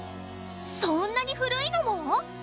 そんなに古いのも！？